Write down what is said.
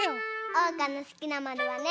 おうかのすきなまるはね。